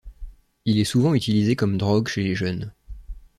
Il est souvent utilisé comme drogue chez les jeunes.